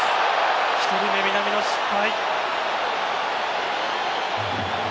１人目、南野失敗。